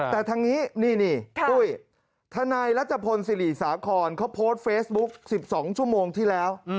ทางนี้ทนายรัชพลสิริสาพคอนเขาโพสต์เฟสบุ๊ค๑๒ชั่วโมงที่แล้ว